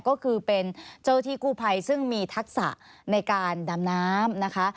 ก็คือเป็นเจ้าที่กู้ภัยซึ่งมีทักษะในการดำน้ำนะคะ